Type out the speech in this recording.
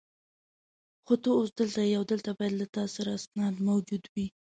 خو ته اوس دلته یې او دلته باید له تا سره اسناد موجود وي.